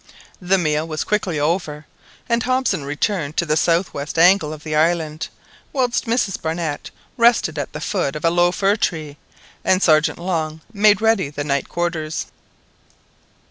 The meal was quickly over, and Hobson returned to the southwest angle of the island, whilst Mrs Barnett rested at the foot of a low fir tree, and Sergeant Long made ready the night quarters.